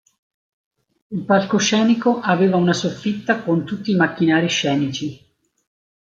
Il palcoscenico aveva una soffitta con tutti i macchinari scenici.